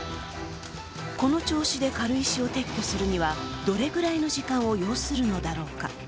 この調子で軽石を撤去するにはどれぐらいの時間を要するのだろうか。